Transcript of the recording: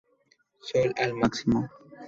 Sol al máximo.